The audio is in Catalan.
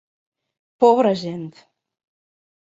Pobra gent!